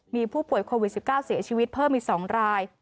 มีผู้ป่วยโควิด๑๙เสียชีวิตเพิ่มอีก๒ราย